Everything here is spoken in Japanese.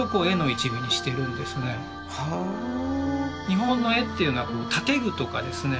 日本の絵っていうのはこう建具とかですね